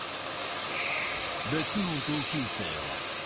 別の同級生は。